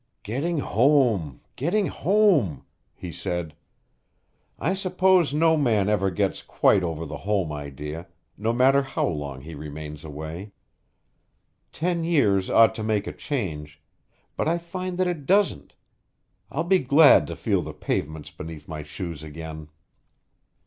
"Getting home getting home!" he said. "I suppose no man ever gets quite over the home idea, no matter how long he remains away. Ten years ought to make a change, but I find that it doesn't. I'll be glad to feel the pavements beneath my shoes again."